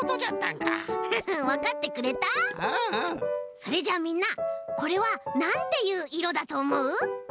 それじゃあみんなこれはなんていういろだとおもう？